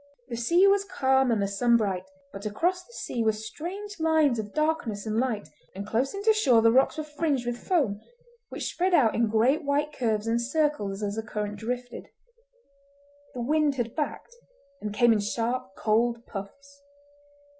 The sea was calm and the sun bright, but across the sea were strange lines of darkness and light, and close in to shore the rocks were fringed with foam, which spread out in great white curves and circles as the currents drifted. The wind had backed, and came in sharp, cold puffs.